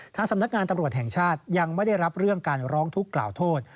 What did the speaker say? สำนักงานตำรวจแห่งชาติยังไม่ได้รับเรื่องการร้องทุกข์กล่าวโทษ